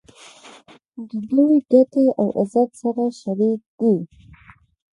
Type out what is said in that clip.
د دوی ګټې او عزت سره شریک دي.